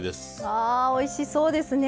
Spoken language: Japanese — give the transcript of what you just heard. ああおいしそうですね